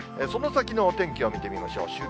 その先のお天気を見てみましょう。